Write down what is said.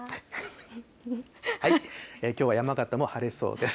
きょうは山形も晴れそうです。